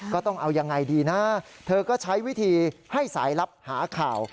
ก็ต้องเอายังไงดีนะเธอก็ใช้วิธีให้สายลับหาข่าว